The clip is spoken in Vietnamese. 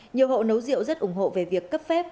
nhiều hộ nấu rượu rất ủng hộ về việc cấp phép